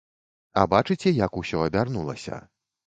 А бачыце, як усё абярнулася.